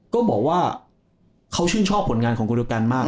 ก็บอกว่าเขาชื่นชอบผลงานของโกโดกันมาก